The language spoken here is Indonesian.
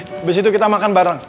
habis itu kita makan bareng